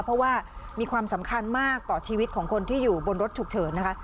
เพราะว่ามีความสำคัญมากต่อชีวิตของคนที่อยู่บนรถฉุกเฉินนะคะ